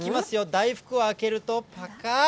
大福を開けると、ぱかっ。